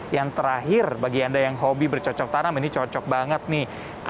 yang terakhir bagi anda yang hobi bercocok tanam ini cocok banget nih